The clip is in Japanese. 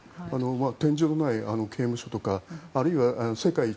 天井のない刑務所とかあるいは世界一